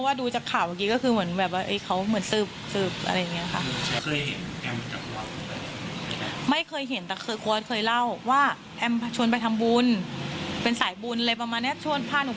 ที่นี่หลังการเสียชีวิตของครูตายไปแล้วแล้วที่แรกทุกคนก็คิดว่าเออสงสัยครูตายอาจจะโหมงานหนัก